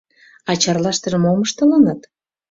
А Чарлаштыже мом ыштылыныт?